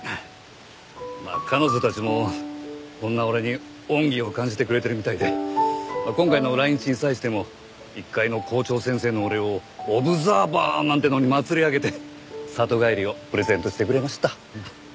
まあ彼女たちもこんな俺に恩義を感じてくれてるみたいで今回の来日に際しても一介の校長先生の俺をオブザーバーなんてのに祭り上げて里帰りをプレゼントしてくれました。